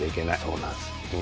そうなんです。